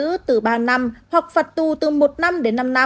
phạt tù từ ba năm hoặc phạt tù từ một năm đến năm năm